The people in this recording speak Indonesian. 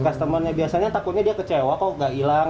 kustomernya biasanya takutnya dia kecewa kok gak hilang